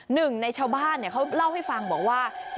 หนึ่งในชาวบ้านเขาเล่าให้ฟังบอกว่า